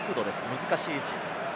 難しい位置。